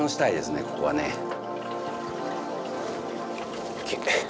ここはね。ＯＫ！